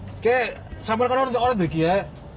oke sampai kalau orang orang berkira